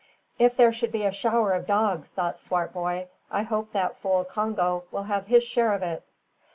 "If there should be a shower of dogs," thought Swartboy, "I hope that fool Congo will have his share of it."